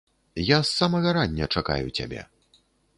Я з самага рання чакаю цябе.